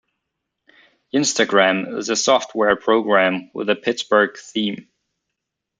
Yinztagram is a software program with a Pittsburgh theme.